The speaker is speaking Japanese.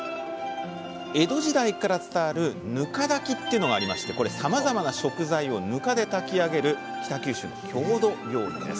江戸時代から伝わる「ぬか炊き」っていうのがありましてこれさまざまな食材をぬかで炊き上げる北九州の郷土料理です。